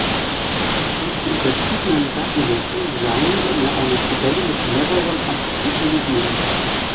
Die zu überprüfenden Datensätze seien in einer Tabelle mit mehreren Attributen gegeben.